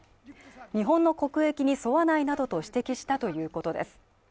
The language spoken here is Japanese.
日本の国益に沿わないなどと指摘したということです。